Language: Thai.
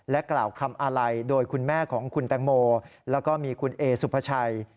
และกล่าวคำอะไรโดยคุณแม่ของคุณแตงโมและก็มีคุณเอสุพชัย